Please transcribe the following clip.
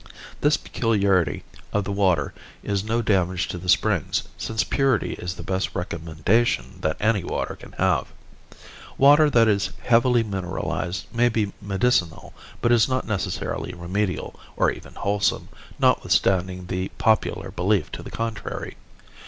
This peculiarity of the water is no damage to the springs, since purity is the best recommendation that any water can have. Water that is heavily mineralized may be medicinal, but is not necessarily remedial, or even wholesome, notwithstanding the popular belief to the contrary.